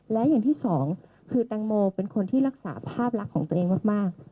และอย่างที่สองคือแตงโมเป็นคนที่รักษาภาพลักษณ์ของตัวเองมาก